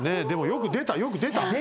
でもよく出たよく出た。